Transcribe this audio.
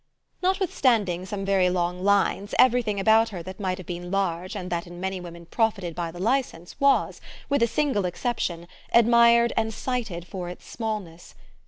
Notwithstanding some very long lines everything about her that might have been large and that in many women profited by the licence was, with a single exception, admired and cited for its smallness.